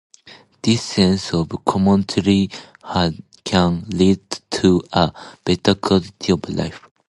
This sense of community can lead to a better quality of life.